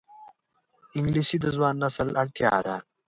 انګلیسي د ځوان نسل اړتیا ده